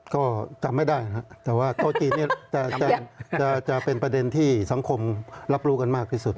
ก็จำไม่ได้นะครับแต่ว่าโต๊ะจีนนี้จะเป็นประเด็นที่สังคมรับรู้กันมากที่สุด